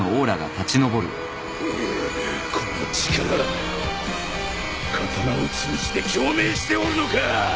この力刀を通じて共鳴しておるのか！？